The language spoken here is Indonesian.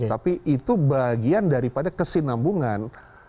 tapi itu bagian daripada kesinambungan